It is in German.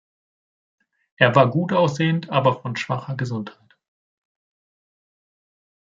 Er war gutaussehend, aber von schwacher Gesundheit.